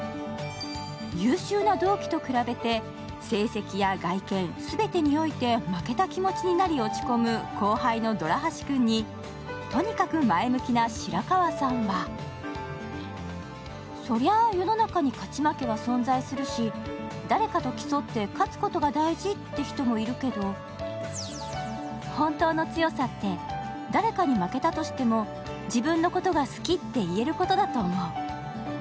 優秀な同期と比べて成績や外見、全てにおいて負けた気持ちになり落ち込む後輩のドラ橋くんに、とにかく前向きな白川さんはそりゃー世の中に勝ち負けは存在するし誰かと競って勝つことが大事っていう人もいるけど本当の強さって誰かに負けたとしても自分のことが好きって言えることだと思う。